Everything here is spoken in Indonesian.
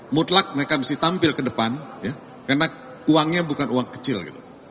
mutlak mereka mesti tampil ke depan karena uangnya bukan uang kecil gitu